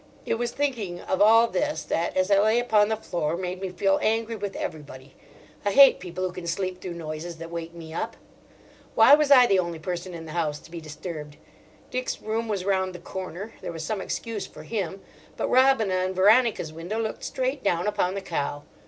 It was thinking of all this that, as I lay upon the floor, made me feel angry with everybody. I hate people who can sleep through noises that wake me up. Why was I the only person in the house to be disturbed? Dick's room was round the corner; there was some excuse for him. But Robina and Veronica's window looked straight down upon the cow.